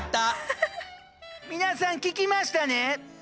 皆さん聞きましたね？